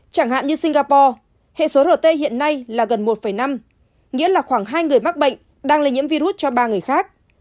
chẳng hạn như singapore hệ số rt hiện nay là gần một năm nghĩa là khoảng hai người mắc bệnh đang lây nhiễm virus cho ba người khác